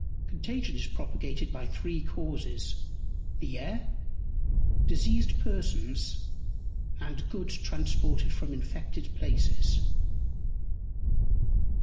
Contagion is propagated by three Causes, the Air; Diseased Persons; and Goods transported from infected Places.